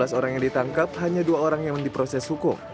dua belas orang yang ditangkap hanya dua orang yang diproses hukum